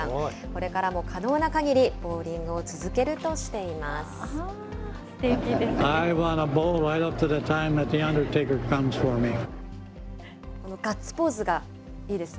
これからも可能なかぎり、ボウリングを続けるとしています。